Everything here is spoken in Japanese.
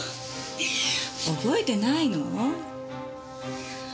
覚えてないの？